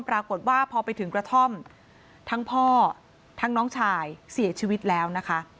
ปรากฏว่าพอไปถึงกระท่อมทั้งพ่อทั้งน้องชายเสียชีวิตแล้วนะคะ